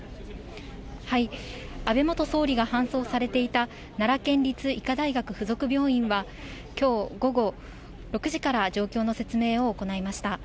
安倍元総理が搬送されていた奈良県立医科大学附属病院は、きょう午後６時から状況の説明を行いました。